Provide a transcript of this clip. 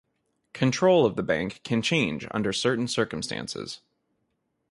Control of the bank can change under certain circumstances.